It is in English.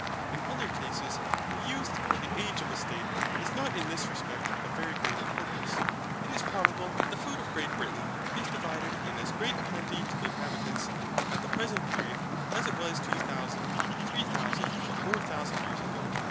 In other cases, the youth or the age of a state is not in this respect of very great importance. It is probable that the food of Great Britain is divided in as great plenty to the inhabitants, at the present period, as it was two thousand, three thousand, or four thousand years ago.